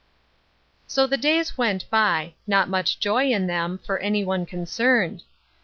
So the days went by ; not much joy in them for any one concerned.